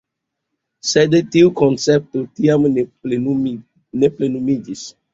Sed tiu koncepto tiam ne plenumiĝis.